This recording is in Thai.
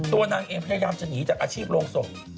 ตัวนางเองพยายามจะหนีจากอาชีพโรงศพ